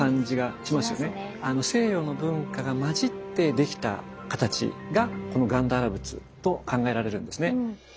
西洋の文化が混じって出来た形がこのガンダーラ仏と考えられるんですね。